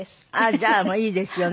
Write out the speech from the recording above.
じゃあいいですよね。